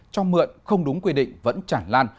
cho mượn không đúng quy định vẫn chẳng lan